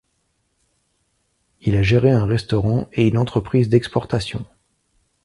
Il a géré un restaurant et une entreprise d'exportation.